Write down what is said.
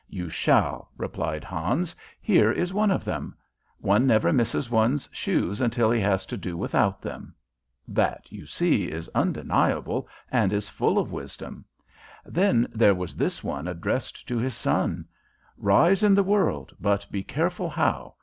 "You shall," replied Hans. "Here is one of them: 'One never misses one's shoes until he has to do without them.' That, you see, is undeniable, and is full of wisdom. Then there was this one addressed to his son: 'Rise in the world, but be careful how.